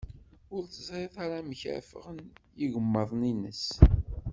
Ur teẓri amek ara ffɣen yigemmaḍ-ines.